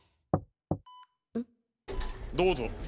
どうぞ。